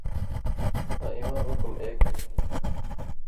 آں اِیواں حکم ایک تُھو۔